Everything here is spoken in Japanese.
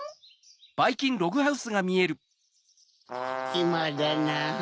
ひまだなぁ。